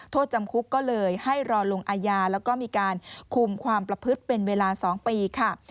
โทษจำคุกก็เลยให้รอลงอาญาแล้วก็มีการคุมความประพฤติเป็นเวลา๒ปีค่ะ